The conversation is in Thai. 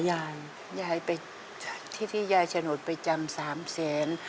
ยายไปที่ที่ยายฉนูดไปจำ๓แสน